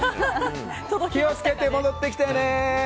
気を付けて戻ってきてね。